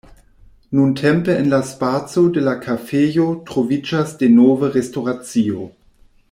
Nuntempe en la spaco de la kafejo troviĝas denove restoracio.